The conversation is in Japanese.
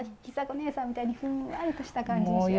尚子ねえさんみたいにふんわりとした感じに仕上げて。